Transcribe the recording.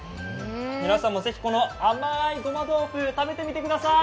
皆さんもぜひこの甘いごまどうふ食べてみてください。